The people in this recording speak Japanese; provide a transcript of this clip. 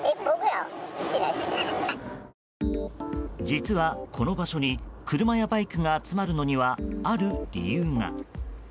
実は、この場所に車やバイクが集まるのには、ある理由が。